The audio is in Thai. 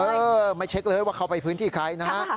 เออไม่เช็คเลยว่าเขาไปพื้นที่ใครนะฮะ